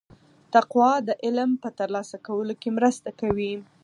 تقوا د علم په ترلاسه کولو کې مرسته کوي.